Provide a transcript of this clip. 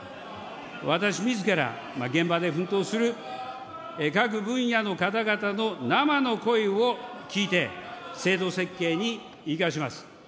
私みずから、現場で奮闘する各分野の方々の生の声を聞いて、制度設計に生かします。